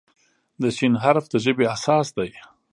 د "ش" حرف د ژبې اساس دی.